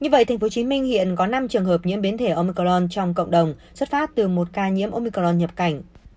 như vậy tp hcm hiện có năm trường hợp nhiễm biến thể omclon trong cộng đồng xuất phát từ một ca nhiễm omicron nhập cảnh